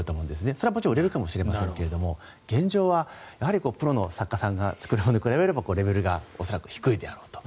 それは売れるかもしれませんが現状はプロの作家さんが作るものと比べればレベルが恐らく低いであろうと。